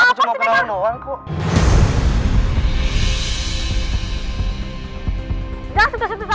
hei aku cuma mau kenalan doang kok